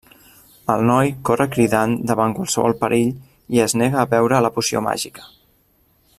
El noi corre cridant davant qualsevol perill i es nega a beure la poció màgica.